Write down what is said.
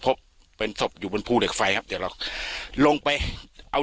พบเป็นศพอยู่บนภูเหล็กไฟครับเดี๋ยวเราลงไปเอา